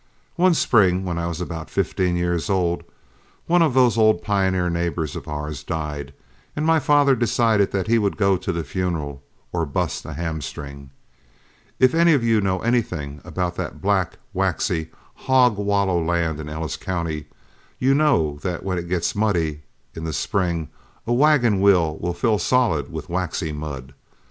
One spring when I was about fifteen years old, one of those old pioneer neighbors of ours died, and my father decided that he would go to the funeral or burst a hame string. If any of you know anything about that black waxy, hog wallow land in Ellis County, you know that when it gets muddy in the spring a wagon wheel will fill solid with waxy mud.